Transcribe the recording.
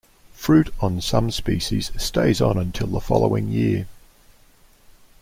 Fruit on some species stays on until the following year.